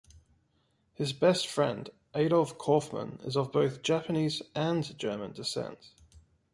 His best friend Adolf Kaufmann is of both Japanese and German descent.